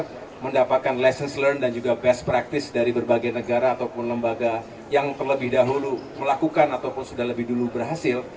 kita mendapatkan lessons learned dan juga best practice dari berbagai negara ataupun lembaga yang terlebih dahulu melakukan ataupun sudah lebih dulu berhasil